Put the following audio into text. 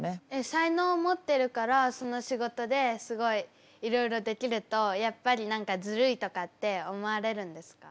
才能持ってるからその仕事ですごいいろいろできるとやっぱり何かずるいとかって思われるんですか？